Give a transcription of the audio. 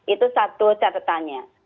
itu satu catetannya